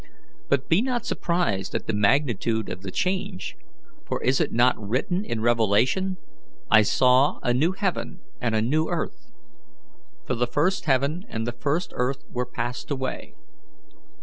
But be not surprised at the magnitude of the change, for is it not written in Revelation, 'I saw a new heaven and a new earth; for the first heaven and the first earth were passed away'?